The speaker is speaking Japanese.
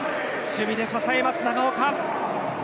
守備で支えます、長岡。